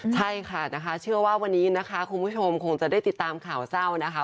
ใช่ค่ะนะคะเชื่อว่าวันนี้นะคะคุณผู้ชมคงจะได้ติดตามข่าวเศร้านะคะ